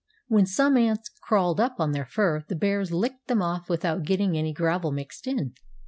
When some ants crawled up on their fur the bears licked them off without getting any gravel mixed in.